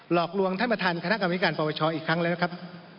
หลอกลวงท่านประธานคณะกรรมวิการปปชอีกครั้งแล้วนะครับ